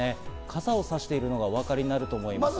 傘をさしているのがお分かりになると思います。